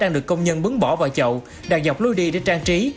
đang được công nhân bứng bỏ vào chậu đàn dọc lôi đi để trang trí